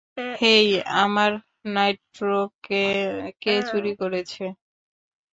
হেই, আমার নাইট্রোকে কে চুরি করেছে?